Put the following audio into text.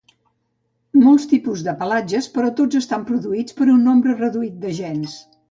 Molts tipus de pelatges però tots estan produïts per un nombre reduït de gens